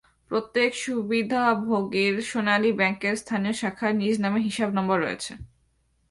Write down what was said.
প্রত্যেক সুবিধাভোগীর সোনালী ব্যাংকের স্থানীয় শাখায় নিজ নামে হিসাব নম্বর রয়েছে।